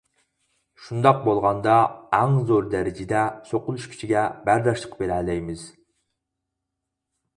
شۇنداق بولغاندا ئەڭ زور دەرىجىدە سوقۇلۇش كۈچىگە بەرداشلىق بېرەلەيمىز.